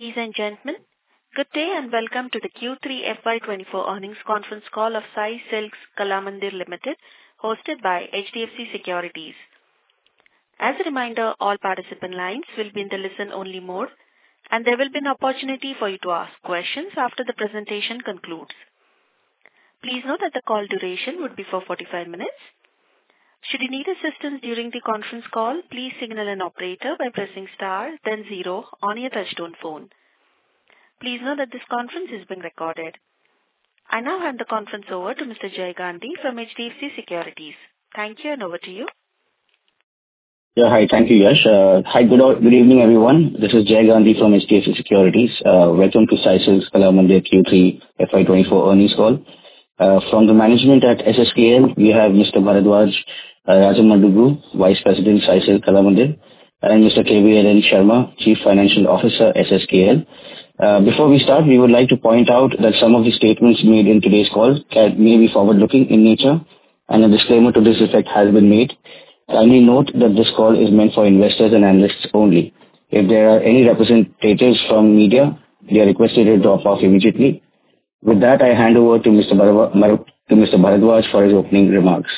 Ladies and gentlemen, good day and welcome to the Q3 FY 2024 Earnings Conference Call of Sai Silks (Kalamandir) Limited, hosted by HDFC Securities. As a reminder, all participant lines will be in the listen-only mode, and there will be an opportunity for you to ask questions after the presentation concludes. Please note that the call duration would be for 45 minutes. Should you need assistance during the conference call, please signal an operator by pressing star then zero on your touch-tone phone. Please note that this conference is being recorded. I now hand the conference over to Mr. Jay Gandhi from HDFC Securities. Thank you, and over to you. Yeah, hi. Thank you, Yash. Hi, good evening, everyone. This is Jay Gandhi from HDFC Securities. Welcome to Sai Silks (Kalamandir) Q3 FY 2024 Earnings Call. From the management at SSKL, we have Mr. Bharadwaj Rachamadugu, Vice President Sai Silks (Kalamandir), and Mr. K.V.L.N. Sarma, Chief Financial Officer SSKL. Before we start, we would like to point out that some of the statements made in today's call may be forward-looking in nature, and a disclaimer to this effect has been made. Kindly note that this call is meant for investors and analysts only. If there are any representatives from media, they are requested to drop off immediately. With that, I hand over to Mr. Bharadwaj for his opening remarks.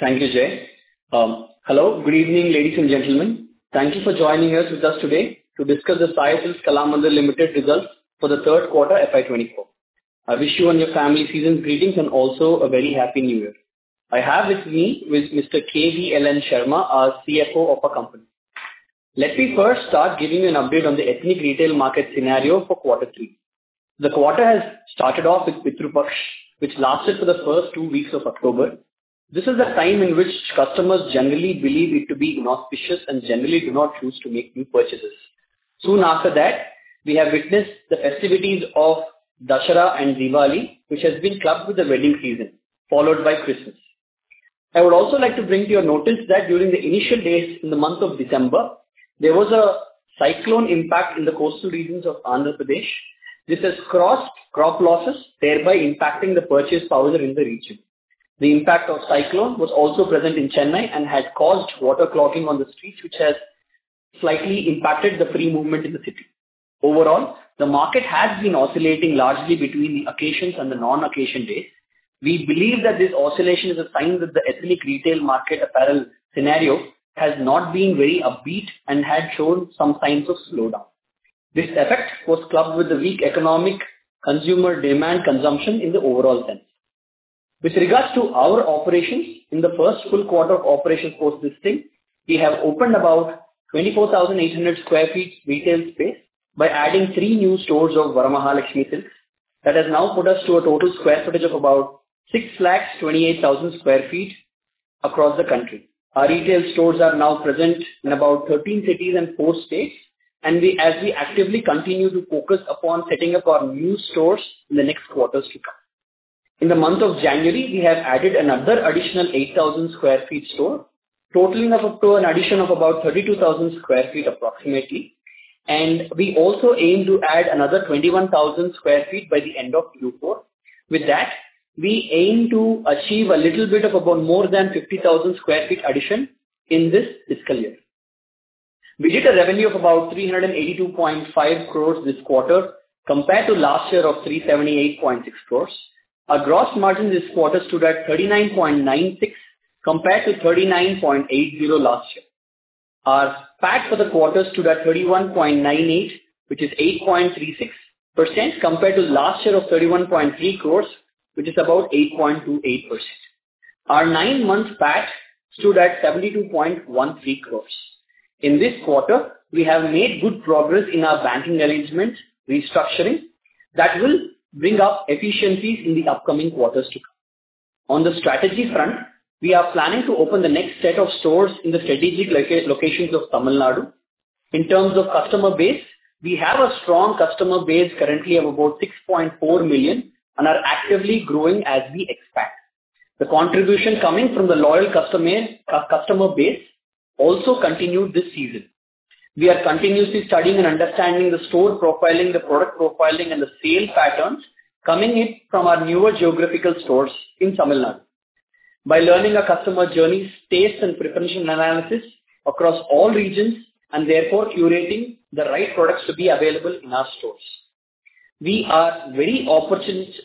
Thank you, Jay. Hello, good evening, ladies and gentlemen. Thank you for joining us today to discuss the Sai Silks (Kalamandir) Limited results for the third quarter FY 2024. I wish you and your family season's greetings and also a very happy New Year. I have with me Mr. K.V.L.N. Sarma, our CFO of our company. Let me first start giving you an update on the ethnic retail market scenario for quarter three. The quarter has started off with Pitru Paksha, which lasted for the first two weeks of October. This is a time in which customers generally believe it to be inauspicious and generally do not choose to make new purchases. Soon after that, we have witnessed the festivities of Dussehra and Diwali, which has been clubbed with the wedding season, followed by Christmas. I would also like to bring to your notice that during the initial days in the month of December, there was a cyclone impact in the coastal regions of Andhra Pradesh. This has caused crop losses, thereby impacting the purchasing power in the region. The impact of the cyclone was also present in Chennai and had caused water clogging on the streets, which has slightly impacted the free movement in the city. Overall, the market has been oscillating largely between the occasions and the non-occasion days. We believe that this oscillation is a sign that the ethnic retail market apparel scenario has not been very upbeat and had shown some signs of slowdown. This effect was clubbed with the weak economic consumer demand consumption in the overall sense. With regards to our operations, in the first full quarter of operations post-listing, we have opened about 24,800 sq ft retail space by adding three new stores of Varamahalakshmi Silks. That has now put us to a total square footage of about 628,000 sq ft across the country. Our retail stores are now present in about 13 cities and four states, as we actively continue to focus upon setting up our new stores in the next quarters to come. In the month of January, we have added another additional 8,000 sq ft store, totaling up to an addition of about 32,000 sq ft approximately. We also aim to add another 21,000 sq ft by the end of Q4. With that, we aim to achieve a little bit of more than 50,000 sq ft addition in this fiscal year. We did a revenue of about 382.5 crores this quarter compared to last year of 378.6 crores. Our gross margin this quarter stood at 39.96% compared to 39.80% last year. Our PAT for the quarter stood at 31.98 crores, which is 8.36% compared to last year of 31.3 crores, which is about 8.28%. Our nine-month PAT stood at 72.13 crores. In this quarter, we have made good progress in our banking arrangement restructuring that will bring up efficiencies in the upcoming quarters to come. On the strategy front, we are planning to open the next set of stores in the strategic locations of Tamil Nadu. In terms of customer base, we have a strong customer base currently of about 6.4 million and are actively growing as we expect. The contribution coming from the loyal customer base also continued this season. We are continuously studying and understanding the store profiling, the product profiling, and the sale patterns coming from our newer geographical stores in Tamil Nadu by learning our customer journeys, tastes, and preferential analysis across all regions, and therefore curating the right products to be available in our stores. We are very optimistic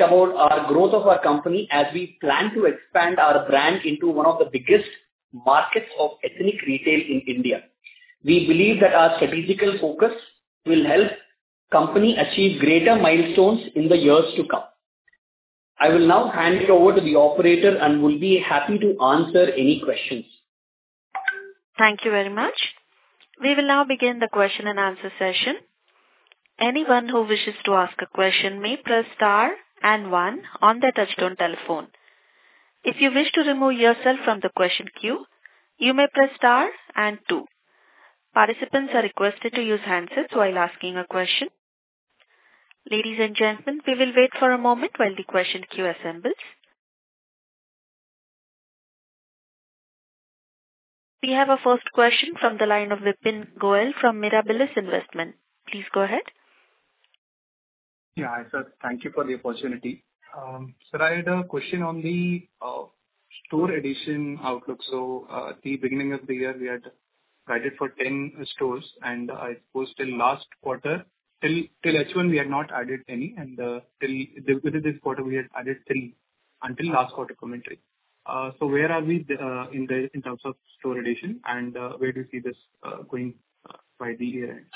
about our growth of our company as we plan to expand our brand into one of the biggest markets of ethnic retail in India. We believe that our strategic focus will help the company achieve greater milestones in the years to come. I will now hand it over to the operator and will be happy to answer any questions. Thank you very much. We will now begin the question-and-answer session. Anyone who wishes to ask a question may press star and one on their touch-tone telephone. If you wish to remove yourself from the question queue, you may press star and two. Participants are requested to use handsets while asking a question. Ladies and gentlemen, we will wait for a moment while the question queue assembles. We have a first question from the line of Vipin Goel from Mirabilis Investment. Please go ahead. Yeah, hi sir. Thank you for the opportunity. Sir, I had a question on the store addition outlook. So at the beginning of the year, we had guided for 10 stores, and I suppose till last quarter, till H1, we had not added any. And till this quarter, we had added until last quarter commentary. So where are we in terms of store addition, and where do you see this going by the year-end?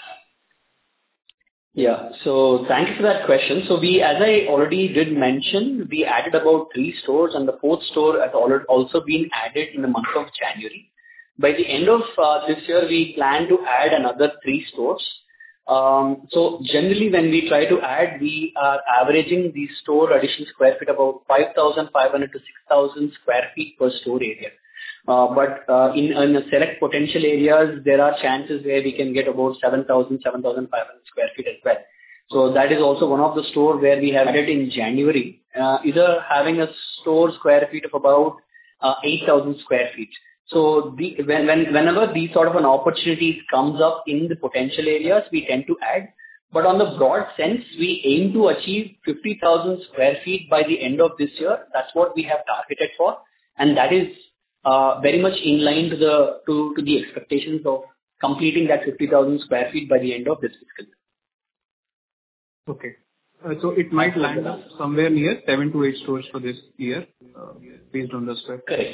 Yeah. So thank you for that question. So as I already did mention, we added about three stores, and the fourth store had also been added in the month of January. By the end of this year, we plan to add another three stores. So generally, when we try to add, we are averaging these store addition square feet about 5,500-6,000 sq ft per store area. But in select potential areas, there are chances where we can get about 7,000-7,500 sq ft as well. So that is also one of the stores where we have added in January, either having a store square feet of about 8,000 sq ft. So whenever these sort of opportunities come up in the potential areas, we tend to add. But on the broad sense, we aim to achieve 50,000 sq ft by the end of this year. That's what we have targeted for, and that is very much in line to the expectations of completing that 50,000 sq ft by the end of this fiscal year. Okay. It might line up somewhere near 7-8 stores for this year based on the spread. Correct.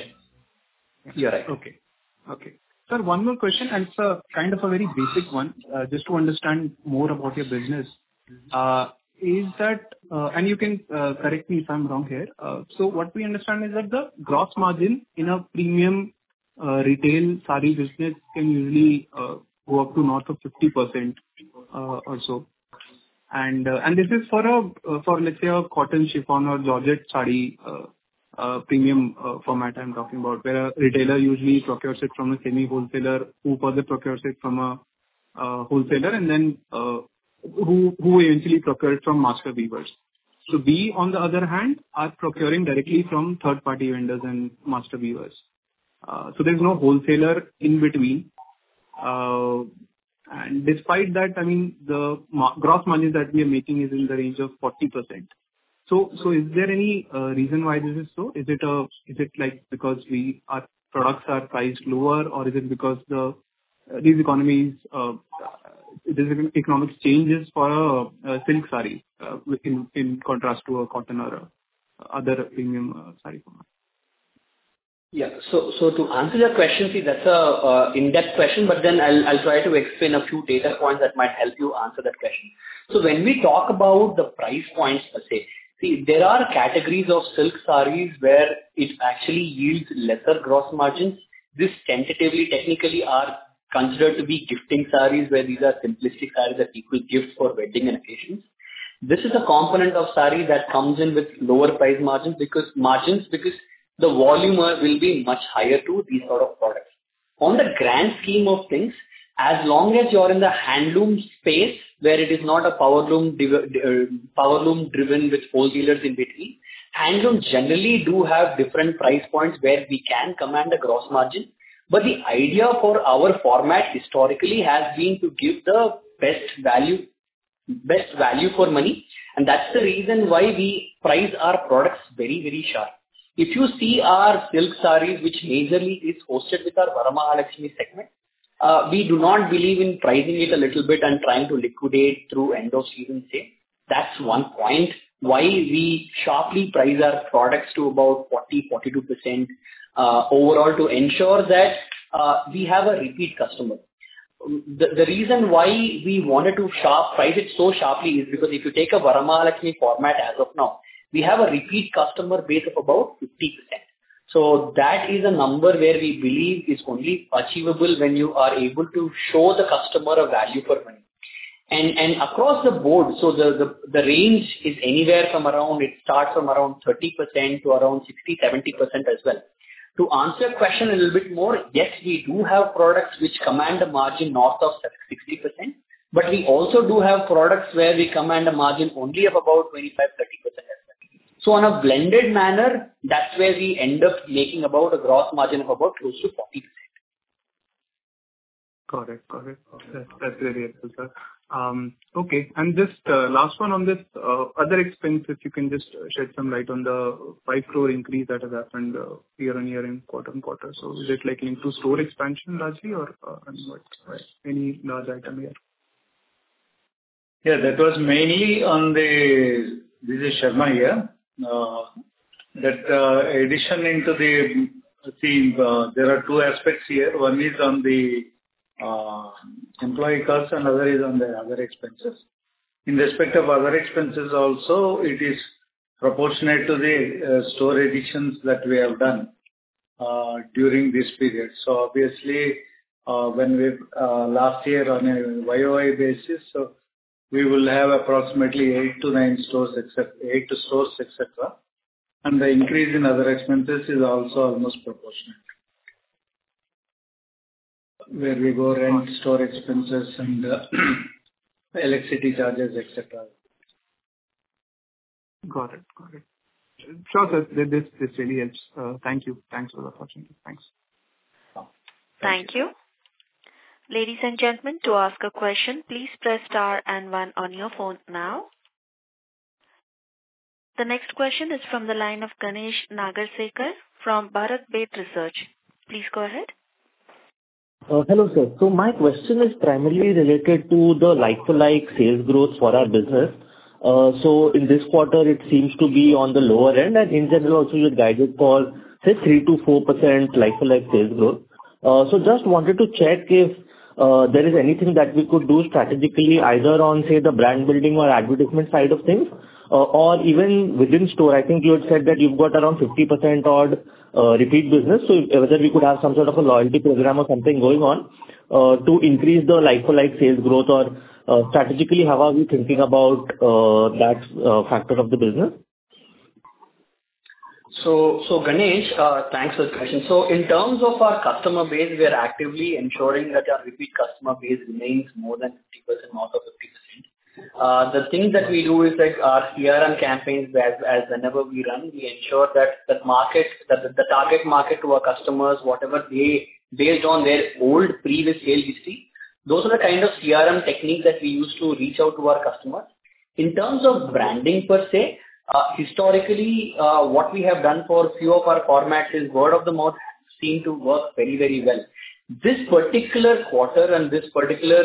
You're right. Okay. Okay. Sir, one more question, and it's kind of a very basic one. Just to understand more about your business, is that and you can correct me if I'm wrong here. So what we understand is that the gross margin in a premium retail sari business can usually go up to north of 50% or so. And this is for, let's say, a cotton chiffon or georgette sari premium format I'm talking about, where a retailer usually procures it from a semi-wholesaler, who further procures it from a wholesaler, and then who eventually procures it from master weavers. So we, on the other hand, are procuring directly from third-party vendors and master weavers. So there's no wholesaler in between. And despite that, I mean, the gross margin that we are making is in the range of 40%. So is there any reason why this is so? Is it because our products are priced lower, or is it because these economies, there's economic changes for a silk saree in contrast to a cotton or other premium saree format? Yeah. So to answer your question, see, that's an in-depth question, but then I'll try to explain a few data points that might help you answer that question. So when we talk about the price points per se, see, there are categories of silk saris where it actually yields lesser gross margins. These tentatively, technically, are considered to be gifting saris, where these are simplistic saris that people gift for wedding and occasions. This is a component of sari that comes in with lower price margins because the volume will be much higher to these sort of products. On the grand scheme of things, as long as you're in the handloom space, where it is not a powerloom driven with wholesalers in between, handlooms generally do have different price points where we can command a gross margin. The idea for our format, historically, has been to give the best value for money, and that's the reason why we price our products very, very sharp. If you see our silk saris, which majorly is hosted with our Varamahalakshmi segment, we do not believe in pricing it a little bit and trying to liquidate through end-of-season sale. That's one point why we sharply price our products to about 40%-42% overall to ensure that we have a repeat customer. The reason why we wanted to price it so sharply is because if you take a Varamahalakshmi format as of now, we have a repeat customer base of about 50%. So that is a number where we believe is only achievable when you are able to show the customer a value for money. Across the board, so the range is anywhere from around it starts from around 30%-60%-70% as well. To answer your question a little bit more, yes, we do have products which command a margin north of 60%, but we also do have products where we command a margin only of about 25%-30% as well. On a blended manner, that's where we end up making about a gross margin of about close to 40%. Got it. Got it. That's very helpful, sir. Okay. And just last one on this, other expenses, you can just shed some light on the 5 crore increase that has happened year-on-year in quarter-on-quarter. So is it linked to store expansion largely, or any large item here? Yeah. That was mainly on the Vijay Sharma here. That addition into the see, there are two aspects here. One is on the employee costs, and the other is on the other expenses. In respect of other expenses also, it is proportionate to the store additions that we have done during this period. So obviously, last year on a YoY basis, so we will have approximately 8-9 stores except 8-9 stores, etc. And the increase in other expenses is also almost proportionate, where we go rent, store expenses, and electricity charges, etc. Got it. Got it. Sir, this really helps. Thank you. Thanks for the opportunity. Thanks. Thank you. Ladies and gentlemen, to ask a question, please press star and one on your phone now. The next question is from the line of Ganesh Nagarsekar from Bharat Bet Research. Please go ahead. Hello, sir. So my question is primarily related to the like-for-like sales growth for our business. So in this quarter, it seems to be on the lower end, and in general, also, you had guided for, say, 3%-4% like-for-like sales growth. So just wanted to check if there is anything that we could do strategically, either on, say, the brand building or advertisement side of things, or even within store. I think you had said that you've got around 50% odd repeat business, so whether we could have some sort of a loyalty program or something going on to increase the like-for-like sales growth, or strategically, how are we thinking about that factor of the business? So Ganesh, thanks for the question. So in terms of our customer base, we are actively ensuring that our repeat customer base remains more than 50%, north of 50%. The thing that we do is our CRM campaigns, as whenever we run, we ensure that the target market to our customers, whatever they, based on their old previous sale history, those are the kind of CRM techniques that we use to reach out to our customers. In terms of branding per se, historically, what we have done for a few of our formats is word of the mouth seemed to work very, very well. This particular quarter and this particular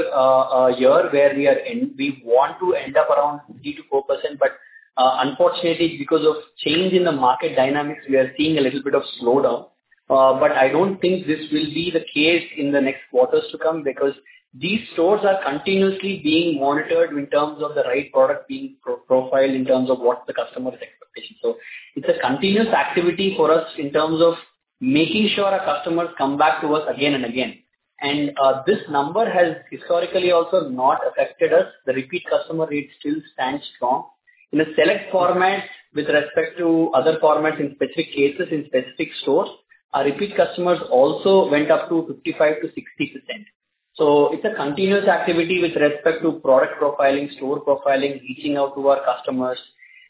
year where we are in, we want to end up around 3%-4%, but unfortunately, because of change in the market dynamics, we are seeing a little bit of slowdown. I don't think this will be the case in the next quarters to come because these stores are continuously being monitored in terms of the right product being profiled in terms of what the customer's expectations. It's a continuous activity for us in terms of making sure our customers come back to us again and again. This number has historically also not affected us. The repeat customer rate still stands strong. In a select format, with respect to other formats in specific cases, in specific stores, our repeat customers also went up to 55%-60%. It's a continuous activity with respect to product profiling, store profiling, reaching out to our customers,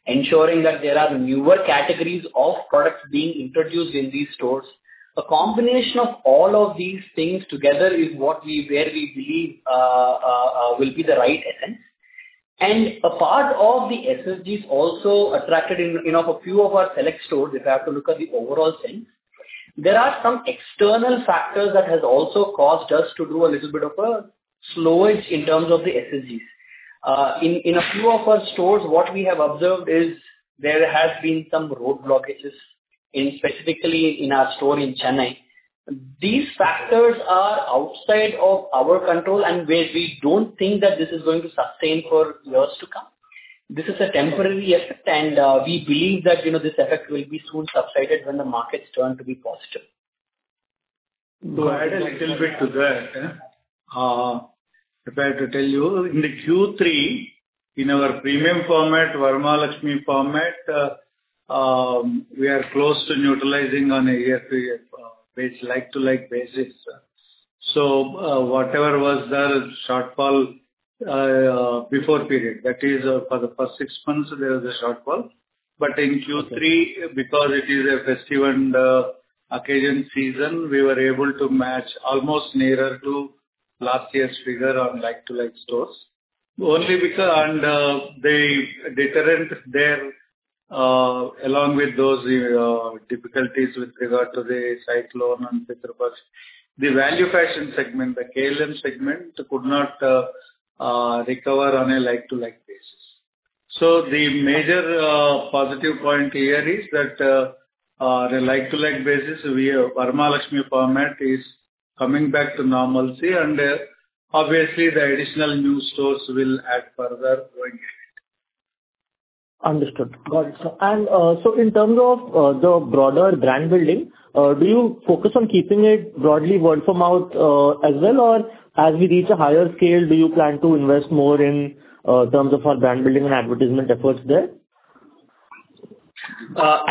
ensuring that there are newer categories of products being introduced in these stores. A combination of all of these things together is where we believe will be the right essence. A part of the SSGs also attracted enough a few of our select stores. If I have to look at the overall sense, there are some external factors that have also caused us to do a little bit of a slowdown in terms of the SSGs. In a few of our stores, what we have observed is there have been some road blockages, specifically in our store in Chennai. These factors are outside of our control and where we don't think that this is going to sustain for years to come. This is a temporary effect, and we believe that this effect will be soon subsided when the markets turn to be positive. To add a little bit to that, if I have to tell you, in the Q3, in our premium format, Varamahalakshmi format, we are close to neutralizing on a year-to-year basis, like-to-like basis. So whatever was the shortfall before period, that is, for the first six months, there was a shortfall. But in Q3, because it is a festival and occasion season, we were able to match almost nearer to last year's figure on like-to-like stores, only because and the deterrent there, along with those difficulties with regard to the cyclone and Chitrapath, the value fashion segment, the KLM segment, could not recover on a like-to-like basis. So the major positive point here is that on a like-to-like basis, our Varamahalakshmi format is coming back to normalcy, and obviously, the additional new stores will add further going in it. Understood. Got it. And so in terms of the broader brand building, do you focus on keeping it broadly word-of-mouth as well, or as we reach a higher scale, do you plan to invest more in terms of our brand building and advertisement efforts there?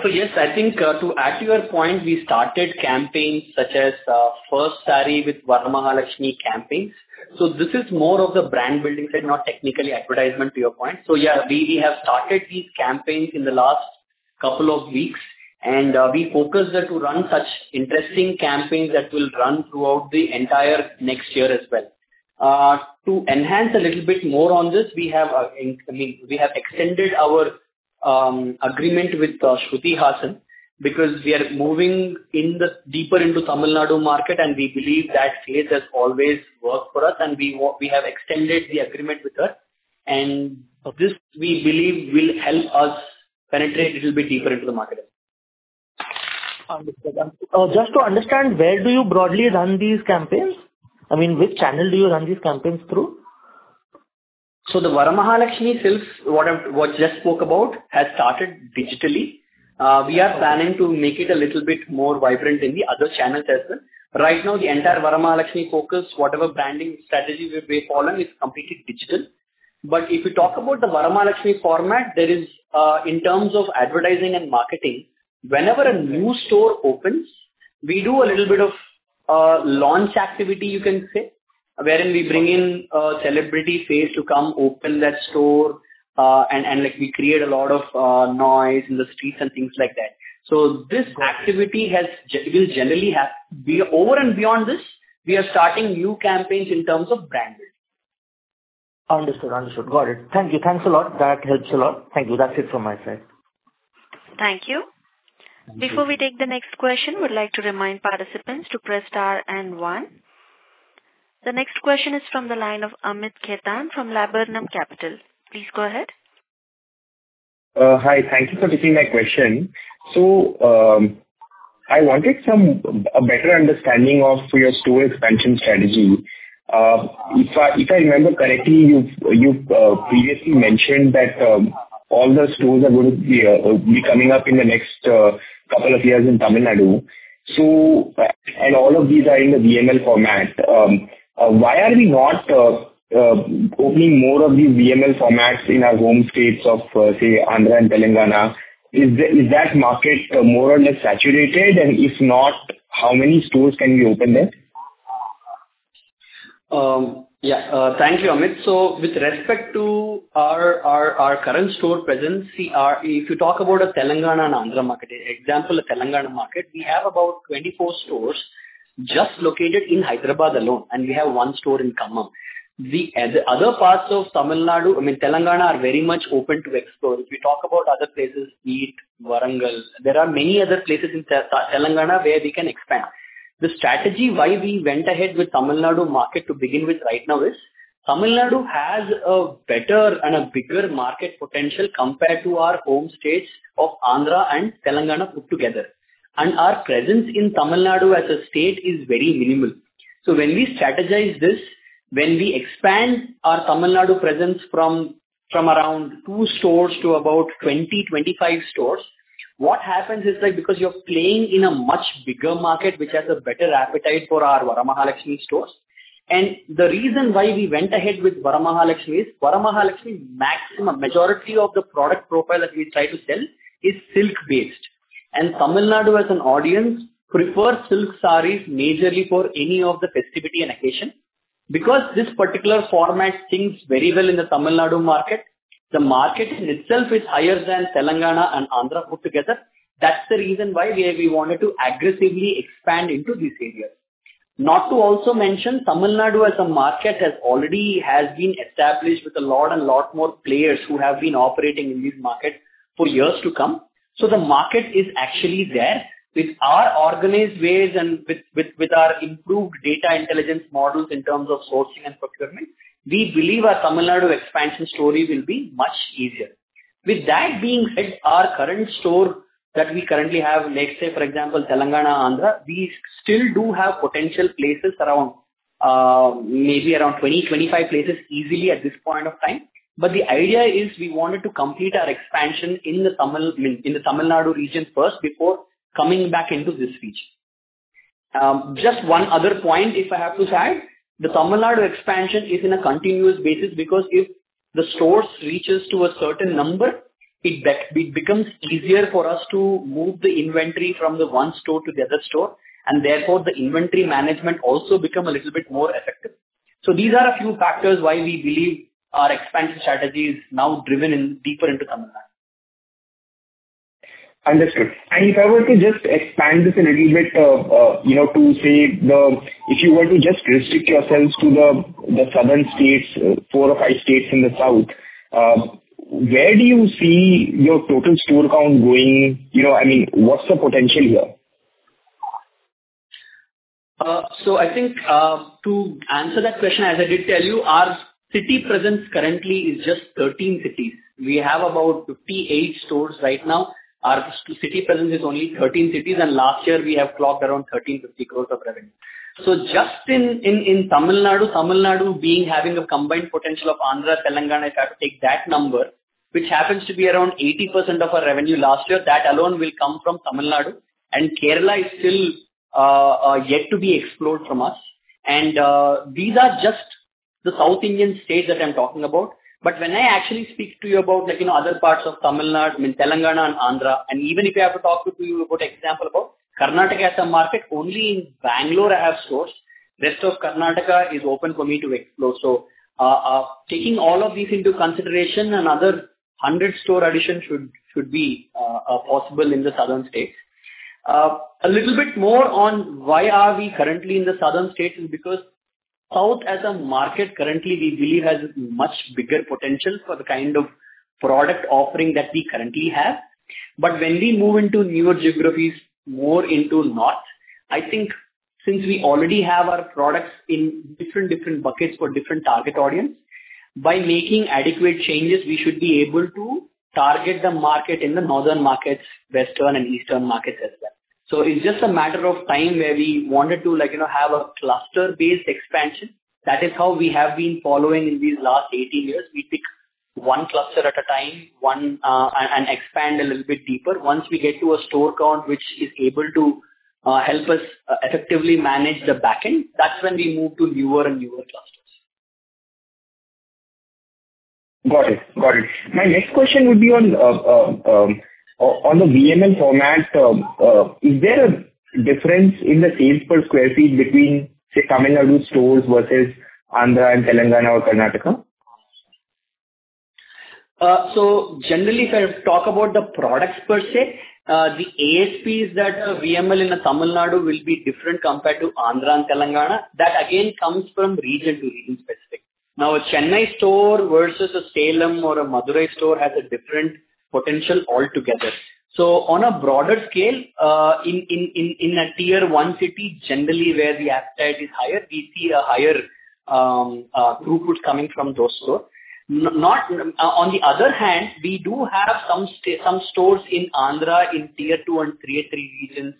Yes, I think to add to your point, we started campaigns such as First Sari with Varamahalakshmi campaigns. This is more of the brand building side, not technically advertisement to your point. Yeah, we have started these campaigns in the last couple of weeks, and we focused to run such interesting campaigns that will run throughout the entire next year as well. To enhance a little bit more on this, we have, I mean, we have extended our agreement with Shruti Haasan because we are moving deeper into Tamil Nadu market, and we believe that phase has always worked for us, and we have extended the agreement with her. This, we believe, will help us penetrate a little bit deeper into the market as well. Understood. Just to understand, where do you broadly run these campaigns? I mean, which channel do you run these campaigns through? So the Varamahalakshmi Silks, what I just spoke about, has started digitally. We are planning to make it a little bit more vibrant in the other channels as well. Right now, the entire Varamahalakshmi focus, whatever branding strategy we follow, is completely digital. But if you talk about the Varamahalakshmi format, in terms of advertising and marketing, whenever a new store opens, we do a little bit of launch activity, you can say, wherein we bring in celebrities to come open that store, and we create a lot of noise in the streets and things like that. So this activity will generally be over and beyond this. We are starting new campaigns in terms of brand building. Understood. Understood. Got it. Thank you. Thanks a lot. That helps a lot. Thank you. That's it from my side. Thank you. Before we take the next question, I would like to remind participants to press star and one. The next question is from the line of Amit Khetan from Laburnum Capital. Please go ahead. Hi. Thank you for taking my question. I wanted a better understanding of your store expansion strategy. If I remember correctly, you previously mentioned that all the stores are going to be coming up in the next couple of years in Tamil Nadu, and all of these are in the VML format. Why are we not opening more of these VML formats in our home states of, say, Andhra and Telangana? Is that market more or less saturated? And if not, how many stores can we open there? Yeah. Thank you, Amit. So with respect to our current store presence, if you talk about a Telangana and Andhra market, example, a Telangana market, we have about 24 stores just located in Hyderabad alone, and we have 1 store in Khammam. The other parts of Tamil Nadu I mean, Telangana are very much open to explore. If you talk about other places, e.g., Warangal, there are many other places in Telangana where we can expand. The strategy why we went ahead with Tamil Nadu market to begin with right now is Tamil Nadu has a better and a bigger market potential compared to our home states of Andhra and Telangana put together. And our presence in Tamil Nadu as a state is very minimal. So when we strategize this, when we expand our Tamil Nadu presence from around 2 stores to about 20-25 stores, what happens is because you're playing in a much bigger market which has a better appetite for our Varamahalakshmi stores. And the reason why we went ahead with Varamahalakshmi is Varamahalakshmi, majority of the product profile that we try to sell is silk-based. And Tamil Nadu as an audience prefers silk sarees majorly for any of the festivity and occasion because this particular format thinks very well in the Tamil Nadu market. The market in itself is higher than Telangana and Andhra put together. That's the reason why we wanted to aggressively expand into these areas. Not to also mention, Tamil Nadu as a market has already been established with a lot and lot more players who have been operating in these markets for years to come. So the market is actually there. With our organized ways and with our improved data intelligence models in terms of sourcing and procurement, we believe our Tamil Nadu expansion story will be much easier. With that being said, our current store that we currently have, let's say, for example, Telangana, Andhra, we still do have potential places around maybe around 20-25 places easily at this point of time. But the idea is we wanted to complete our expansion in the Tamil Nadu region first before coming back into this region. Just one other point, if I have to add, the Tamil Nadu expansion is in a continuous basis because if the stores reach to a certain number, it becomes easier for us to move the inventory from the one store to the other store, and therefore, the inventory management also becomes a little bit more effective. These are a few factors why we believe our expansion strategy is now driven deeper into Tamil Nadu. Understood. And if I were to just expand this a little bit to, say, if you were to just restrict yourselves to the southern states, four or five states in the south, where do you see your total store count going? I mean, what's the potential here? So I think to answer that question, as I did tell you, our city presence currently is just 13 cities. We have about 58 stores right now. Our city presence is only 13 cities, and last year, we have clocked around 1,350 crores of revenue. So just in Tamil Nadu, Tamil Nadu having a combined potential of Andhra, Telangana, if I have to take that number, which happens to be around 80% of our revenue last year, that alone will come from Tamil Nadu. And Kerala is still yet to be explored from us. And these are just the South Indian states that I'm talking about. But when I actually speak to you about other parts of Tamil Nadu, I mean, Telangana and Andhra, and even if I have to talk to you about, example, about Karnataka as a market, only in Bengaluru I have stores. The rest of Karnataka is open for me to explore. So taking all of these into consideration, another 100-store addition should be possible in the southern states. A little bit more on why are we currently in the southern states is because south as a market, currently, we believe has much bigger potential for the kind of product offering that we currently have. But when we move into newer geographies, more into north, I think since we already have our products in different, different buckets for different target audiences, by making adequate changes, we should be able to target the market in the northern markets, western, and eastern markets as well. So it's just a matter of time where we wanted to have a cluster-based expansion. That is how we have been following in these last 18 years. We pick one cluster at a time and expand a little bit deeper. Once we get to a store count which is able to help us effectively manage the backend, that's when we move to newer and newer clusters. Got it. Got it. My next question would be on the VML format. Is there a difference in the sales per square feet between, say, Tamil Nadu stores versus Andhra and Telangana or Karnataka? So generally, if I talk about the products per se, the ASPs that VML in Tamil Nadu will be different compared to Andhra and Telangana. That, again, comes from region to region specific. Now, a Chennai store versus a Salem or a Madurai store has a different potential altogether. So on a broader scale, in a tier one city, generally, where the appetite is higher, we see a higher throughput coming from those stores. On the other hand, we do have some stores in Andhra in tier two and three-and-three regions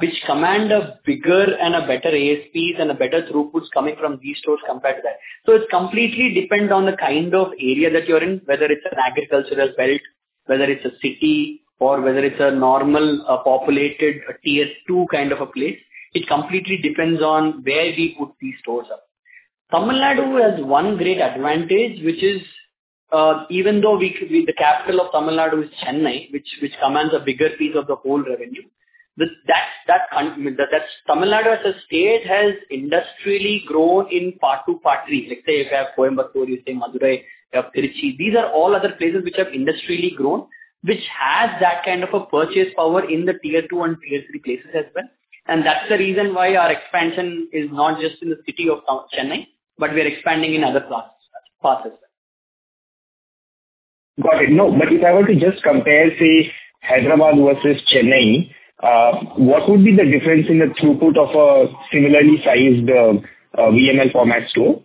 which command bigger and better ASPs and better throughputs coming from these stores compared to that. So it completely depends on the kind of area that you're in, whether it's an agricultural belt, whether it's a city, or whether it's a normal populated tier two kind of a place. It completely depends on where we put these stores up. Tamil Nadu has one great advantage, which is even though the capital of Tamil Nadu is Chennai, which commands a bigger piece of the whole revenue, that Tamil Nadu as a state has industrially grown in Tier 2, Tier 3. Let's say if you have Coimbatore, you have Madurai, you have Kerala. These are all other places which have industrially grown, which has that kind of a purchase power in the Tier 2 and Tier 3 places as well. And that's the reason why our expansion is not just in the city of Chennai, but we are expanding in other parts as well. Got it. No. But if I were to just compare, say, Hyderabad versus Chennai, what would be the difference in the throughput of a similarly sized VML format store?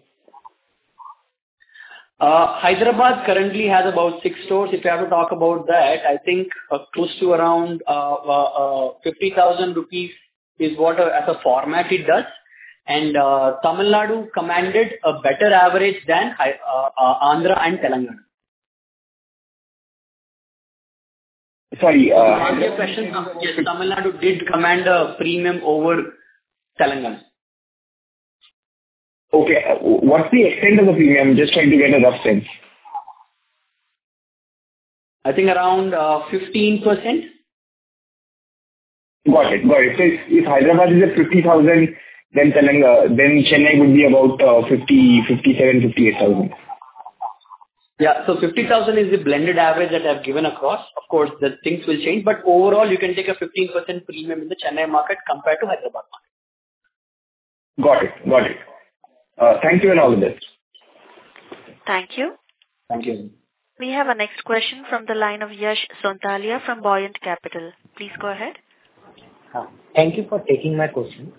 Hyderabad currently has about 6 stores. If I have to talk about that, I think close to around 50,000 rupees is what, as a format, it does. And Tamil Nadu commanded a better average than Andhra and Telangana. Sorry. My question, yes, Tamil Nadu did command a premium over Telangana. Okay. What's the extent of the premium? I'm just trying to get a rough sense. I think around 15%. Got it. Got it. So if Hyderabad is at 50,000, then Chennai would be about 57,000-58,000. Yeah. So 50,000 is the blended average that I've given across. Of course, things will change. But overall, you can take a 15% premium in the Chennai market compared to Hyderabad market. Got it. Got it. Thank you and all the best. Thank you. Thank you. We have a next question from the line of Yash Sonthaliya from Buoyant Capital. Please go ahead. Thank you for taking my question.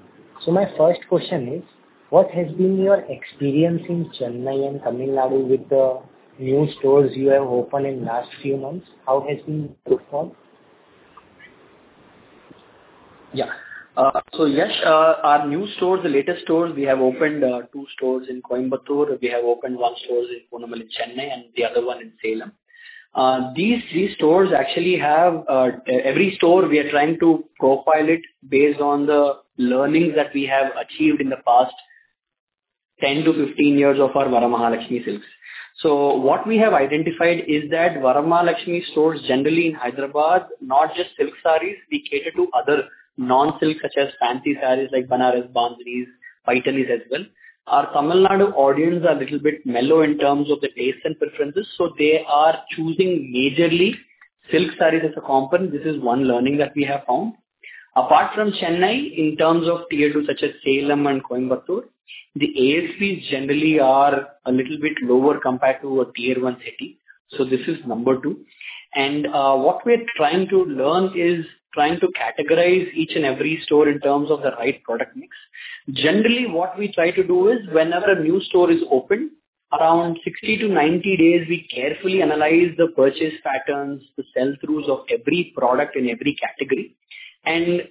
So my first question is, what has been your experience in Chennai and Tamil Nadu with the new stores you have opened in the last few months? How has it performed? Yeah. So Yash, our new stores, the latest stores, we have opened two stores in Coimbatore. We have opened one store in Chennai and the other one in Salem. These three stores actually have every store, we are trying to profile it based on the learnings that we have achieved in the past 10-15 years of our Varamahalakshmi Silks. So what we have identified is that Varamahalakshmi stores, generally in Hyderabad, not just silk saris, we cater to other non-silks such as fancy saris like Banarasi, Bandhani, Paithani as well. Our Tamil Nadu audience is a little bit mellow in terms of the tastes and preferences, so they are choosing majorly silk saris as a component. This is one learning that we have found. Apart from Chennai, in terms of tier 2 such as Salem and Coimbatore, the ASPs generally are a little bit lower compared to a tier 1 city. So this is number two. And what we are trying to learn is trying to categorize each and every store in terms of the right product mix. Generally, what we try to do is whenever a new store is opened, around 60-90 days, we carefully analyze the purchase patterns, the sell-throughs of every product in every category. And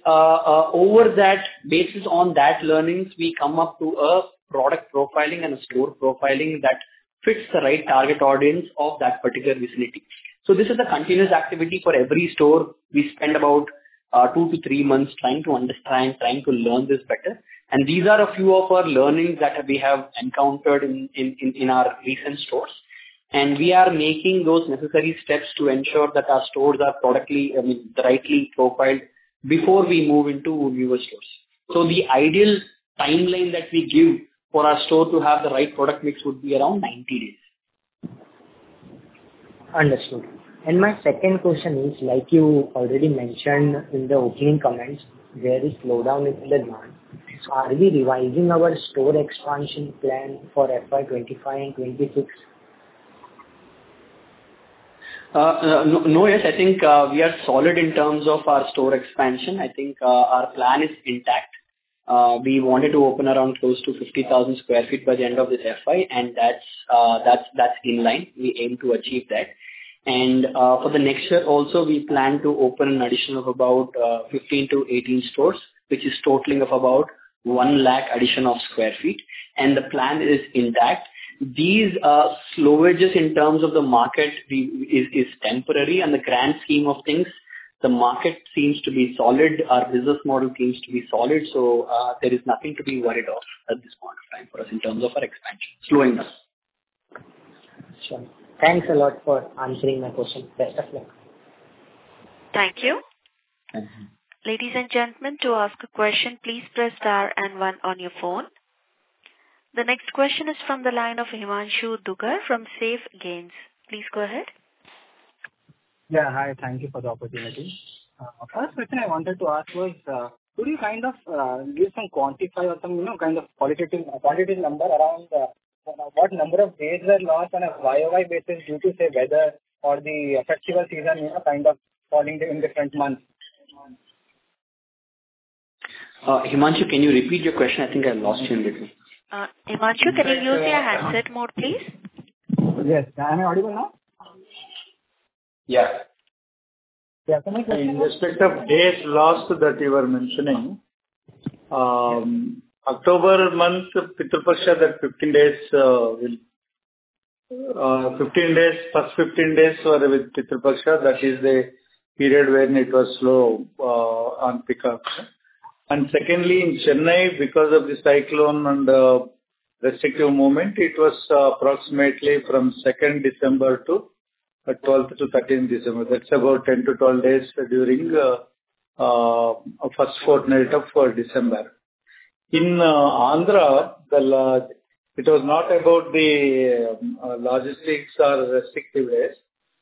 based on that learnings, we come up to a product profiling and a store profiling that fits the right target audience of that particular facility. So this is a continuous activity for every store. We spend about 2-3 months trying to understand, trying to learn this better. These are a few of our learnings that we have encountered in our recent stores. We are making those necessary steps to ensure that our stores are productly I mean, rightly profiled before we move into newer stores. The ideal timeline that we give for our store to have the right product mix would be around 90 days. Understood. My second question is, like you already mentioned in the opening comments, there is slowdown in demand. Are we revising our store expansion plan for FY 2025 and 2026? No, Yash. I think we are solid in terms of our store expansion. I think our plan is intact. We wanted to open around close to 50,000 sq ft by the end of this FY, and that's in line. We aim to achieve that. And for the next year also, we plan to open an addition of about 15-18 stores, which is totaling of about 1,000,000 additional sq ft. And the plan is intact. These slowages in terms of the market is temporary. On the grand scheme of things, the market seems to be solid. Our business model seems to be solid. So there is nothing to be worried about at this point of time for us in terms of our expansion, slowing us. Sure. Thanks a lot for answering my question. Best of luck. Thank you. Ladies and gentlemen, to ask a question, please press star and one on your phone. The next question is from the line of Himanshu Dugar from SafeGainz. Please go ahead. Yeah. Hi. Thank you for the opportunity. First question I wanted to ask was, could you kind of give some quantitative or some kind of qualitative number around what number of days are lost on a YOY basis due to, say, weather or the festival season, kind of falling in different months? Himanshu, can you repeat your question? I think I lost you a little. Himanshu, can you use your handset mode, please? Yes. Am I audible now? Yeah. Yeah. Someone can say. In respect of days lost that you were mentioning, October month, Pitru Paksha, that 15 days will 15 days, first 15 days were with Pitru Paksha. That is the period when it was slow on pickup. And secondly, in Chennai, because of the cyclone and restrictive movement, it was approximately from 2nd December to 12th to 13th December. That's about 10-12 days during first fortnight of December. In Andhra, it was not about the logistics or restrictive days,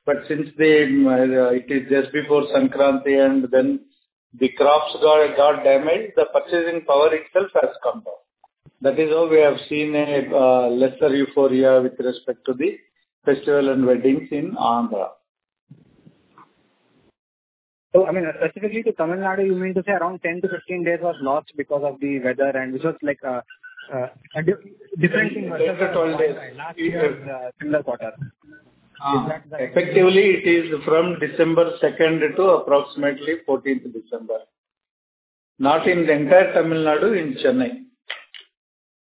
but since it is just before Sankranti and then the crops got damaged, the purchasing power itself has come down. That is how we have seen a lesser euphoria with respect to the festival and weddings in Andhra. I mean, specifically to Tamil Nadu, you mean to say around 10-15 days was lost because of the weather, and which was like a difference in. 10-12 days. Last year in the quarter. Effectively, it is from December 2nd to approximately 14th December, not in the entire Tamil Nadu, in Chennai.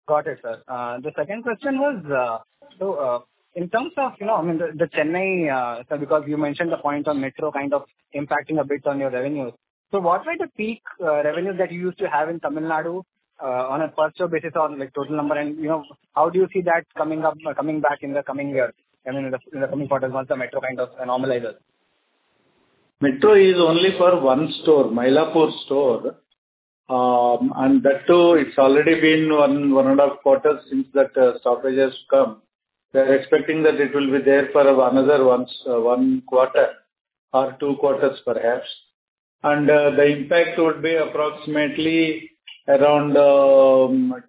Got it, sir. The second question was, so in terms of I mean, the Chennai because you mentioned the point on metro kind of impacting a bit on your revenues. So what were the peak revenues that you used to have in Tamil Nadu on a per store basis or total number, and how do you see that coming back in the coming year? I mean, in the coming quarters once the metro kind of normalizes. Metro is only for one store, Mylapore store. And that too, it's already been one and a half quarters since that stoppages come. We are expecting that it will be there for another one quarter or two quarters, perhaps. And the impact would be approximately around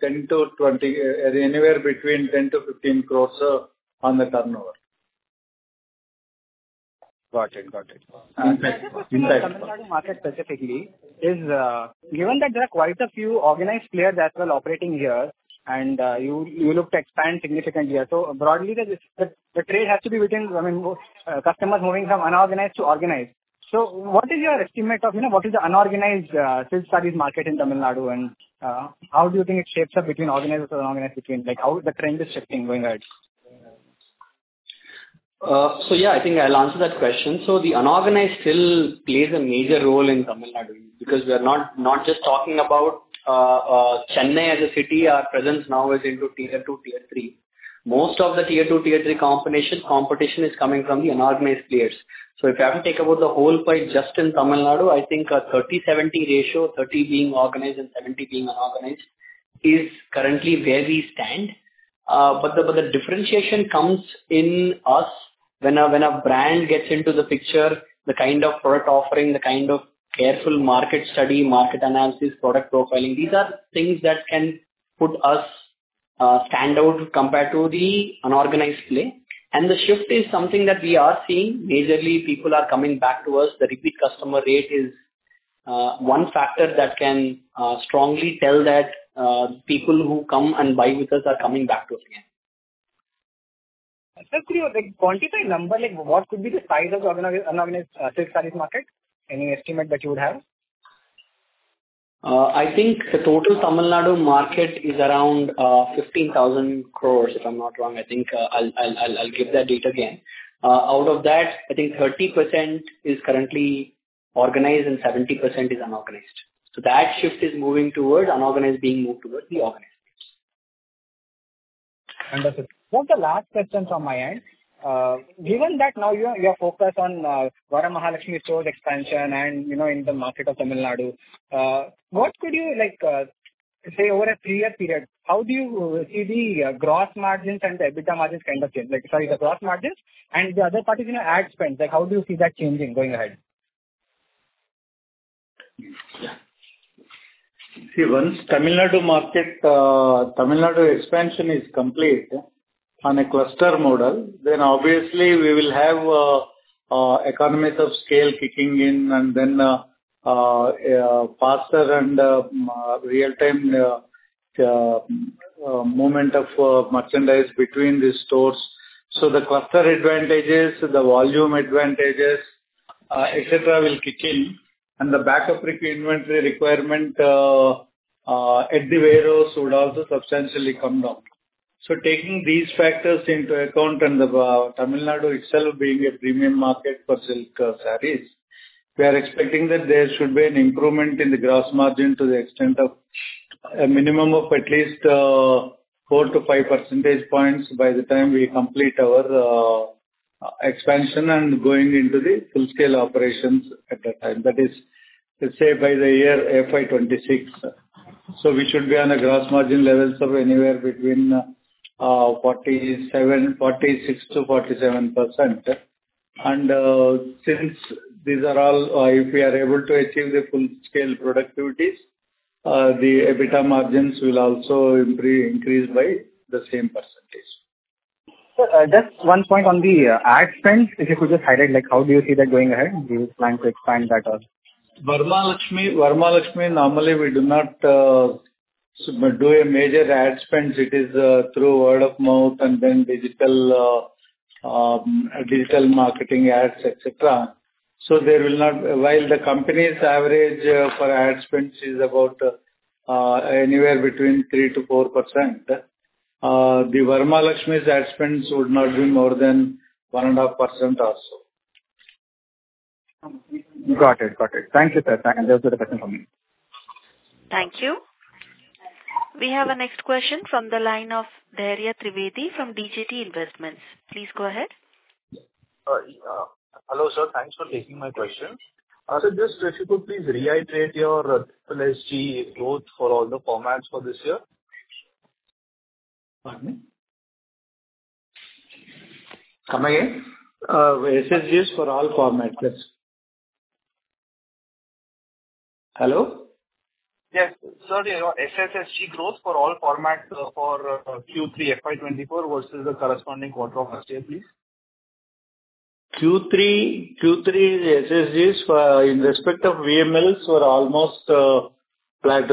10 to 20 anywhere between 10-15 crores on the turnover. Got it. Got it. In fact, for the Tamil Nadu market specifically, given that there are quite a few organized players as well operating here, and you look to expand significantly here, so broadly, the trade has to be within I mean, customers moving from unorganized to organized. So what is your estimate of what is the unorganized silk sarees market in Tamil Nadu, and how do you think it shapes up between organized and unorganized between? How the trend is shifting going ahead? So yeah, I think I'll answer that question. So the unorganized still plays a major role in Tamil Nadu because we are not just talking about Chennai as a city. Our presence now is into tier two, tier three. Most of the tier two, tier three competition is coming from the unorganized players. So if I have to take about the whole pipe just in Tamil Nadu, I think a 30/70 ratio, 30 being organized and 70 being unorganized, is currently where we stand. But the differentiation comes in us when a brand gets into the picture, the kind of product offering, the kind of careful market study, market analysis, product profiling. These are things that can put us stand out compared to the unorganized play. And the shift is something that we are seeing. Majorly, people are coming back to us. The repeat customer rate is one factor that can strongly tell that people who come and buy with us are coming back to us again. Could you quantify number? What could be the size of the unorganized silk sarees market? Any estimate that you would have? I think the total Tamil Nadu market is around 15,000 crore, if I'm not wrong. I think I'll give that data again. Out of that, I think 30% is currently organized and 70% is unorganized. So that shift is moving towards unorganized being moved towards the organized piece. Understood. That's the last question from my end. Given that now you are focused on Varamahalakshmi stores' expansion and in the market of Tamil Nadu, what could you say over a three-year period, how do you see the gross margins and the EBITDA margins kind of change? Sorry, the gross margins and the other part is ad spend. How do you see that changing going ahead? Yeah. See, once Tamil Nadu market Tamil Nadu expansion is complete on a cluster model, then obviously, we will have economies of scale kicking in and then faster and real-time movement of merchandise between these stores. So the cluster advantages, the volume advantages, etc., will kick in, and the backup requirement at the warehouse would also substantially come down. So taking these factors into account and Tamil Nadu itself being a premium market for silk saris, we are expecting that there should be an improvement in the gross margin to the extent of a minimum of at least 4-5 percentage points by the time we complete our expansion and going into the full-scale operations at that time. That is, let's say, by the year FY 2026. So we should be on gross margin levels of anywhere between 46%-47%. Since these are all if we are able to achieve the full-scale productivities, the EBITDA margins will also increase by the same percentage. Sir, just one point on the ad spend. If you could just highlight, how do you see that going ahead? Do you plan to expand that or? Varamahalakshmi, normally, we do not do a major ad spend. It is through word of mouth and then digital marketing ads, etc. So there will not, while the company's average for ad spends is about anywhere between 3%-4%, the Varamahalakshmi's ad spends would not be more than 1.5% also. Got it. Got it. Thank you, sir. There was another question from me. Thank you. We have a next question from the line of Dhairya Trivedi from DJT Investments. Please go ahead. Hello, sir. Thanks for taking my question. Sir, just if you could please reiterate your SSG growth for all the formats for this year? Pardon me? Come again. SSGs for all formats, yes. Hello? Yes. Sir, your SSG growth for all formats for Q3 FY 2024 versus the corresponding quarter of last year, please. Q3 SSGs in respect of VMLs were almost flat.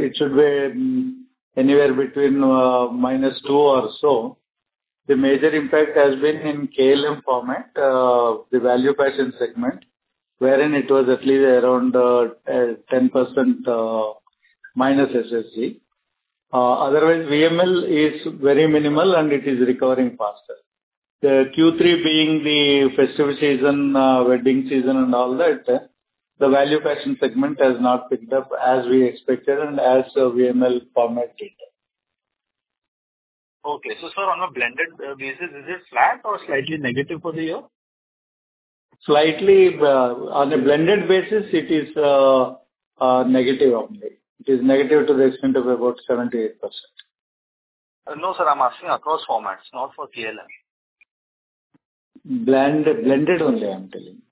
It should be anywhere between -2% or so. The major impact has been in KLM format, the value fashion segment, wherein it was at least around -10% SSG. Otherwise, VML is very minimal, and it is recovering faster. The Q3 being the festival season, wedding season, and all that, the value fashion segment has not picked up as we expected and as VML format did. Okay. So, sir, on a blended basis, is it flat or slightly negative for the year? Slightly. On a blended basis, it is negative only. It is negative to the extent of about 78%. No, sir. I'm asking across formats, not for KLM. Blended only, I'm telling you,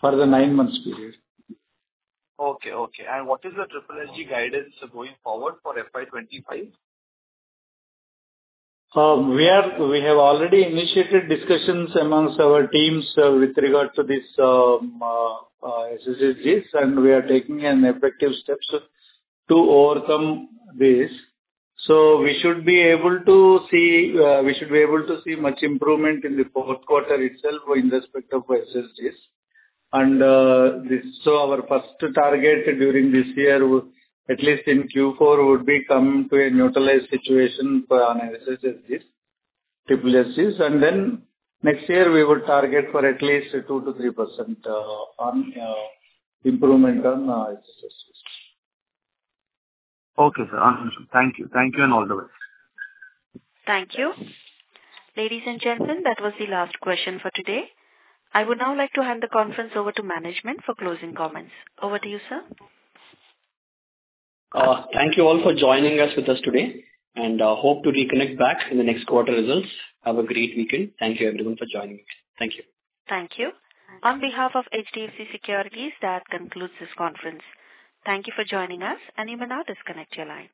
for the 9-month period. Okay. Okay. What is the SSSG guidance going forward for FY 2025? We have already initiated discussions amongst our teams with regard to this SSSGs, and we are taking effective steps to overcome this. So we should be able to see we should be able to see much improvement in the fourth quarter itself in respect of SSGs. And so our first target during this year, at least in Q4, would be to come to a neutralized situation on SSSGs, SSSGs. And then next year, we would target for at least 2%-3% improvement on SSSGs. Okay, sir. Thank you. Thank you, and all the best. Thank you. Ladies and gentlemen, that was the last question for today. I would now like to hand the conference over to management for closing comments. Over to you, sir. Thank you all for joining us today, and I hope to reconnect back in the next quarter results. Have a great weekend. Thank you, everyone, for joining me. Thank you. Thank you. On behalf of HDFC Securities, that concludes this conference. Thank you for joining us, and you may now disconnect your line.